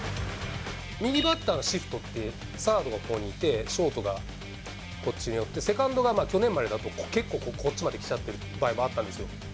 右バッターのシフトって、サードがここにいて、ショートがこっちに寄って、セカンドが去年までだと結構こっちまで来ちゃってる場合もあったんですよ。